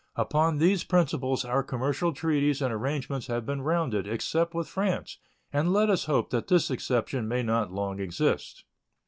Upon these principles our commercial treaties and arrangements have been rounded, except with France, and let us hope that this exception may not long exist.